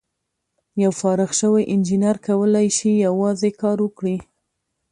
یو فارغ شوی انجینر کولای شي یوازې کار وکړي.